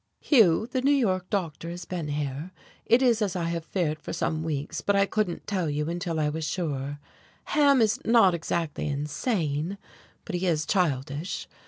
"Hugh, the New York doctor has been here. It is as I have feared for some weeks, but I couldn't tell you until I was sure. Ham is not exactly insane, but he is childish.